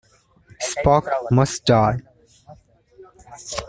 Spock Must Die!